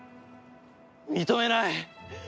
認めない！